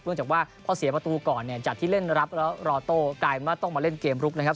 เนื่องจากว่าเพราะเสียประตูก่อนเนี่ยจัดที่เล่นรับแล้วรอโต้กลายมาต้องมาเล่นเกมลุกนะครับ